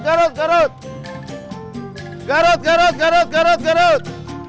garut garut garut garut garut